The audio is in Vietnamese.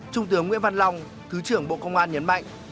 trung tướng nguyễn văn long thứ trưởng bộ công an nhấn mạnh